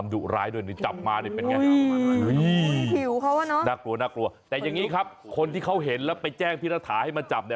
แต่อย่างนี้ครับคนที่เขาเห็นแล้วไปแจ้งพิทธาให้มาเจาะ